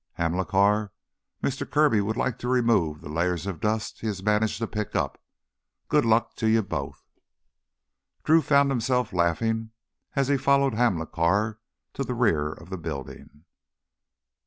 Hamilcar, Mister Kirby would like to remove the layers of dust he has managed to pick up. Good luck to you both!" Drew found himself laughing as he followed Hamilcar to the rear of the building.